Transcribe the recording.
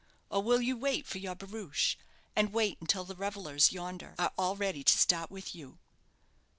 or will you wait for your barouche; and wait until the revellers yonder are all ready to start with you?"